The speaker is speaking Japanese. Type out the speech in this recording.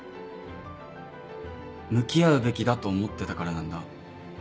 向き合うべきだと思ってたからなんだ。